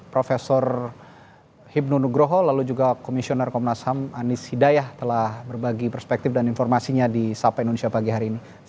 prof hipnu nugroho lalu juga komisioner komnas ham anies hidayah telah berbagi perspektif dan informasinya di sapa indonesia pagi hari ini